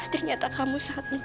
ternyata kamu sangat mencintai